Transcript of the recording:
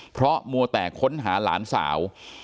เพราะมัวแต่ค้นหาหลานสาว